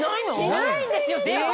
しないんですよ。